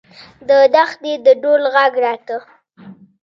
له دښتې د ډول غږ راته.